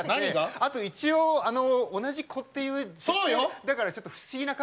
あと、一応同じ子っていうね、設定で。